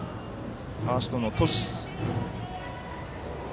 ファーストのトス。